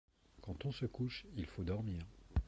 Quand on se couche, il faut dormir.